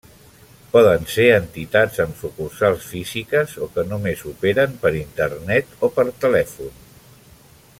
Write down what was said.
Poden ser entitats amb sucursals físiques o que només operen per Internet o per telèfon.